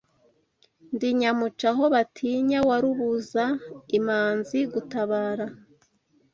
Ndi nyamuca aho batinya wa Rubuza imanzi gutabara